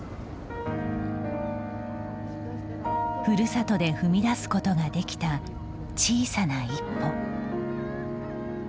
ふるさとで踏み出すことができた小さな一歩。